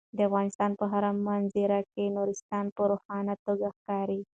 د افغانستان په هره منظره کې نورستان په روښانه توګه ښکاري.